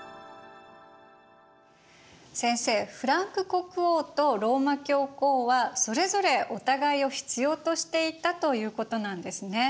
先生フランク国王とローマ教皇はそれぞれお互いを必要としていたということなんですね。